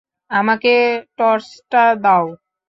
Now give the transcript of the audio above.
আমাকে টর্চটা দাও।